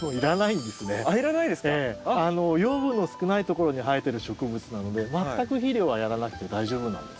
養分の少ないところに生えてる植物なので全く肥料はやらなくて大丈夫なんです。